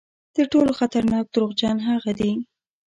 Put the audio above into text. تر ټولو خطرناک دروغجن هغه دي.